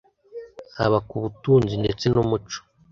haba ku butunzi ndetse n’umuco